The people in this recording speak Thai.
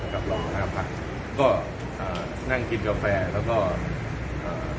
กับรองหัวหน้าพักก็อ่านั่งกินกาแฟแล้วก็อ่า